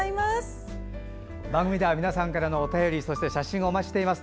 番組では皆さんからのお便りそして写真をお待ちしております。